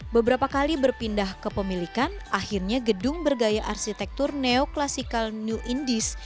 beberapa kali berpindah ke pemilikan akhirnya gedung bergaya arsitektur neoklasikal new indies